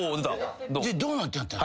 どうなった。